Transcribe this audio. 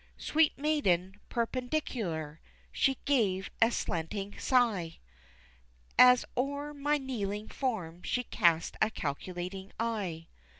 Sweet maiden perpendicular! She gave a slanting sigh As o'er my kneeling form she cast a calculating eye.